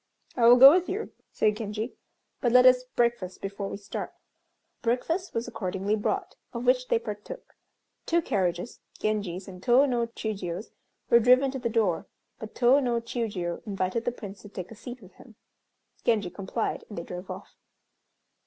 "I will go with you," said Genji, "but let us breakfast before we start." Breakfast was accordingly brought, of which they partook. Two carriages, Genji's and Tô no Chiûjiô's, were driven to the door, but Tô no Chiûjiô invited the Prince to take a seat with him. Genji complied, and they drove off.